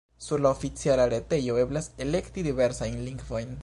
Sur la oficiala retejo eblas elekti diversajn lingvojn.